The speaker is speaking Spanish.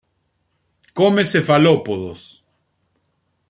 Come cefalópodos.